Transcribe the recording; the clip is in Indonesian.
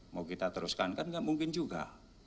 mau kita teruskan kan nggak mungkin juga